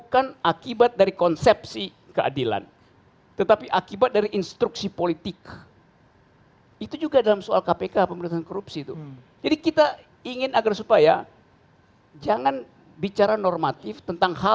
kalau ada insiden insiden seperti ini gitu gimana